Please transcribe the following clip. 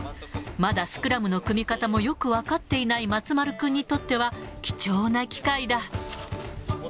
まだスクラムの組み方もよく分かっていない松丸君にとっては、貴重な機会だ。